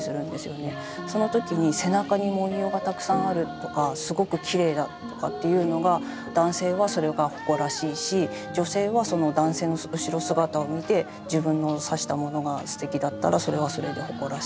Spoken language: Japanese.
その時に背中に文様がたくさんあるとかすごくきれいだとかっていうのが男性はそれが誇らしいし女性はその男性の後ろ姿を見て自分の刺したものがすてきだったらそれはそれで誇らしい。